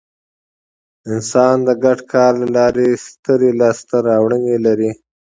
انسان د ګډ کار له لارې سترې لاستهراوړنې لرلې.